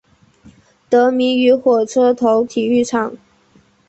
得名于火车头体育场。